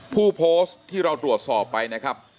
ผู้โพสต์ที่เราตรวจสอบไปนะครับ